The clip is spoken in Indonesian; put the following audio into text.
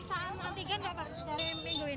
terus ada pemeriksaan antigen dari minggu ini